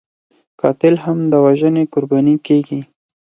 قاتل هم د وژنې قرباني کېږي